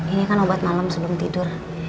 ini kan obat malam sebelum tidur